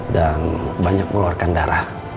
dan banyak meluarkan darah